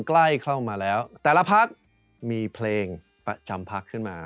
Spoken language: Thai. ใกล้เข้ามาแล้วแต่ละพักมีเพลงประจำพักขึ้นมา